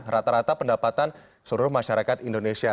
rata rata pendapatan seluruh masyarakat indonesia